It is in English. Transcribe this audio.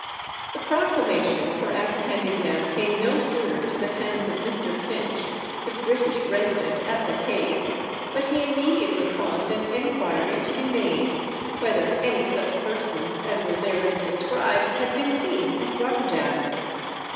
The proclamation for apprehending them came no sooner to the hands of Mr. Finch, the British resident at the Hague, but he immediately caused an enquiry to be made, whether any such persons as were therein described had been seen at Rotterdam.